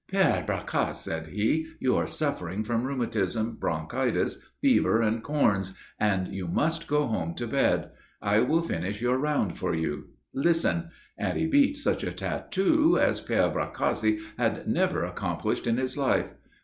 "Père Bracasse," said he, "you are suffering from rheumatism, bronchitis, fever and corns, and you must go home to bed. I will finish your round for you. Listen," and he beat such a tattoo as Père Bracasse had never accomplished in his life.